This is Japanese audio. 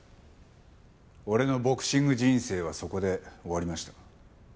俺のボクシング人生はそこで終わりました。